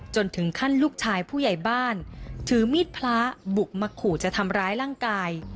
จนถึงขั้นลูกชายผู้ใหญ่บ้านถือมีดพระบุกมาขู่จะทำร้ายร่างกาย